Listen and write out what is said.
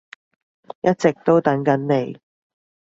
一直都等緊你